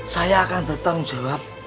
saya akan bertanggung jawab